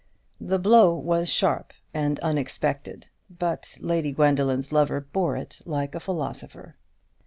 The blow was sharp and unexpected, but Lady Gwendoline's lover bore it like a philosopher.